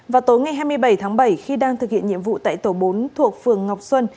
vào tối ngày hai mươi bảy tháng bảy khi đang thực hiện nhiệm vụ tại tổ bốn thuộc phường ngọc xuân